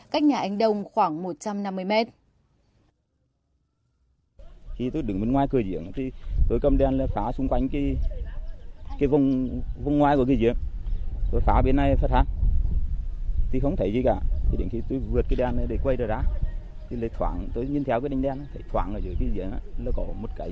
cách nhà ánh đông khoảng một trăm năm mươi m